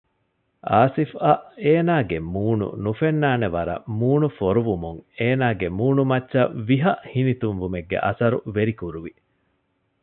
އާސިފްއަށް އޭނާގެ މޫނު ނުފެންނާނެ ވަރަށް މޫނު ފޮރުވުމުން އޭނާގެ މޫނުމައްޗަށް ވިހަ ހިނިތުންވުމެއްގެ އަސަރު ވެރިކުރުވި